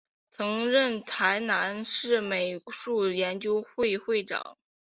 曾任台南市美术研究会会长。